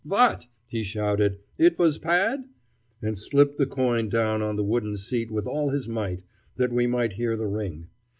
"Vat!" he shouted, "it vas pad?" and slapped the coin down on the wooden seat with all his might, that we might hear the ring.